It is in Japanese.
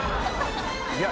いや。